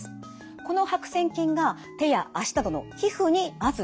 この白癬菌が手や足などの皮膚にまず付着します。